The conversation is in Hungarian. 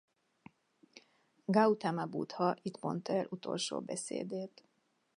Gautama Buddha itt mondta el utolsó beszédét.